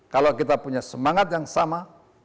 kalau kita punya semangat yang sama